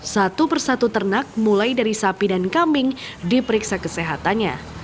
satu persatu ternak mulai dari sapi dan kambing diperiksa kesehatannya